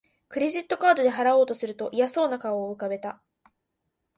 クレジットカードで払おうとすると嫌そうな顔を浮かべた